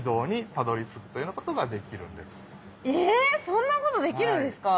そんなことできるんですか？